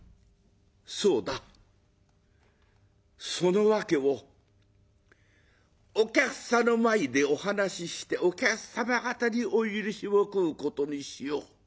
そうだその訳をお客さんの前でお話ししてお客様方にお許しを請うことにしよう」。